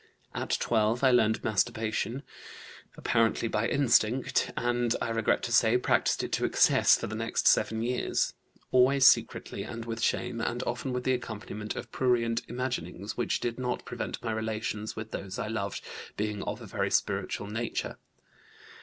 "At 12 I learned masturbation, apparently by instinct, and, I regret to say, practised it to excess for the next seven years, always secretly and with shame, and often with the accompaniment of prurient imaginings which did not prevent my relations with those I loved being of a very spiritual nature.